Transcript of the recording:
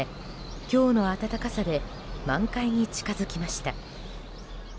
今日の暖かさで満開に近づきました。